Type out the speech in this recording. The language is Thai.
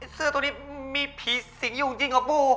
เสื้อตัวนี้มีผีสิงอยู่จริงเหรอปู